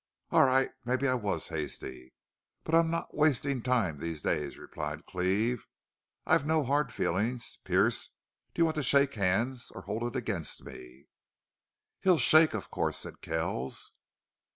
"All right. Maybe I was hasty. But I'm not wasting time these days," replied Cleve. "I've no hard feelings.... Pearce, do you want to shake hands or hold that against me?" "He'll shake, of course," said Kells.